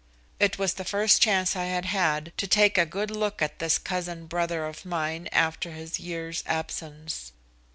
It was the first chance I had had to take a good look at this cousin brother of mine after his year's absence.